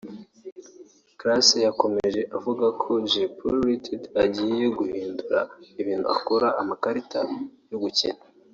Classe yakomeje avuga ko Jay Polly Ltd igiye guhindura ibintu ikora amakarita yo gukina